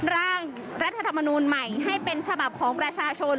ร่างรัฐธรรมนูลใหม่ให้เป็นฉบับของประชาชน